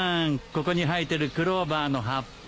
ここに生えてるクローバーの葉っぱ